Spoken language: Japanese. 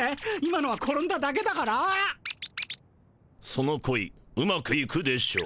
その恋うまくいくでしょう。